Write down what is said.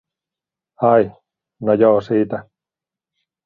"Ai, no joo siitä.